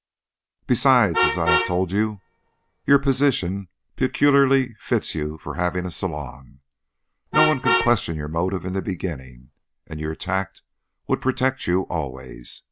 Besides, as I have told you, your position peculiarly fits you for having a salon. No one could question your motive in the beginning, and your tact would protect you always.